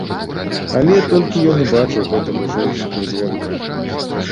Але толькі ён і бачыў гэтага жоўценькага звярка.